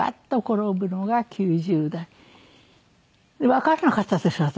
わからなかったんです私。